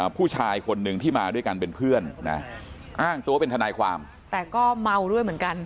ผู้ชายคนหนึ่งที่มาด้วยกันเป็นเพื่อนนะอ้างตัวเป็นทนายความแต่ก็เมาด้วยเหมือนกัน